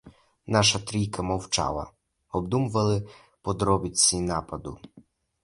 Наша трійка мовчала — обдумували подробиці нападу.